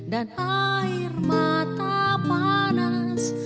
dan air mata panas